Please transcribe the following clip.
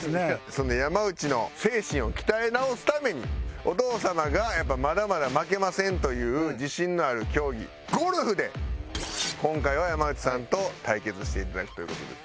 そんな山内の精神を鍛え直すためにお父様がまだまだ負けませんという自信のある競技ゴルフで今回は山内さんと対決して頂くという事です。